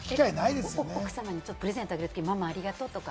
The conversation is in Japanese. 奥様にプレゼントあげるとき、「ママありがとう」とか。